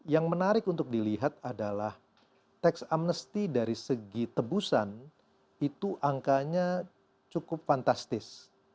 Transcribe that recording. yang menarik untuk dilihat adalah tax amnesty dari segi tebusan itu angkanya cukup fantastis